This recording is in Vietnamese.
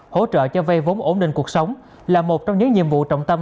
hỗ trợ cho vay vốn ổn định cuộc sống là một trong những nhiệm vụ trọng tâm